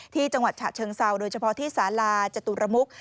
จังหวัดฉะเชิงเซาโดยเฉพาะที่สาลาจตุรมุก